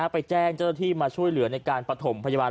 ไปแจ้งเจ้าหน้าที่มาช่วยเหลือในการประถมพยาบาล